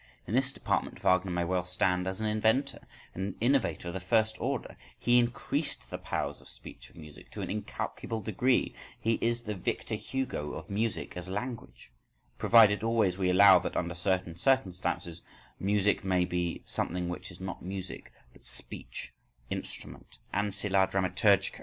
In this department Wagner may well stand as an inventor and an innovator of the first order—_he increased the powers of speech __ of music to an incalculable degree_—he is the Victor Hugo of music as language, provided always we allow that under certain circumstances music may be something which is not music, but speech—instrument—ancilla dramaturgica.